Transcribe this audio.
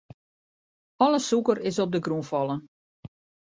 Alle sûker is op de grûn fallen.